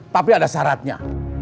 tapi ada syaratnya